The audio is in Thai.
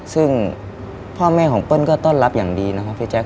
ซึ่งพ่อแม่ของเปิ้ลก็ต้อนรับอย่างดีนะครับพี่แจ๊